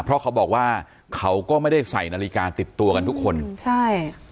เพราะเขาบอกว่าเขาก็ไม่ได้ใส่นาฬิกาติดตัวกันทุกคนใช่